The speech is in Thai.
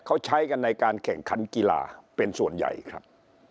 เขาใช้กันในการแข่งขันกีฬาเป็นส่วนใหญ่ครับ